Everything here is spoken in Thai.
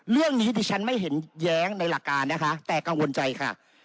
เรื่องนี้ดิฉันไม่เห็นแย้งในหลักการนะคะแต่กังวลใจค่ะ